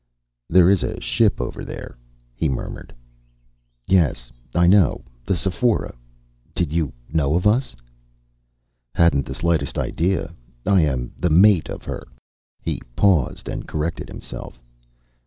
"There's a ship over there," he murmured. "Yes, I know. The Sephora. Did you know of us?" "Hadn't the slightest idea. I am the mate of her " He paused and corrected himself.